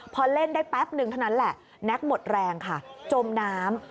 พอเล่นได้แป๊บนึงเท่านั้นแหละแน็กหมดแรงค่ะจมน้ำ